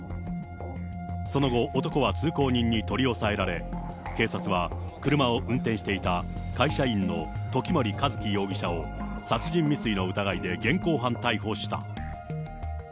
その後、男は通行人に取り押さえられ、警察は車を運転していた会社員の時盛一輝容疑者を、殺人未遂の疑いで現行犯逮捕した。